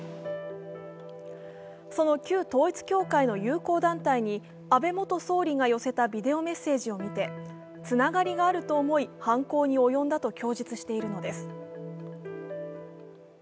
その旧統一教会の友好団体に安倍元総理が寄せたビデオメッセージを見て、つながりがあると思い、犯行に及んだと供述しているのです。